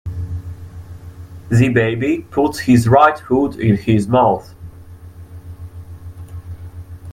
The baby puts his right foot in his mouth.